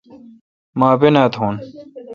مو اپینا تھون۔